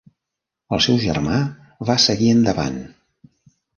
El seu germà va seguir endavant.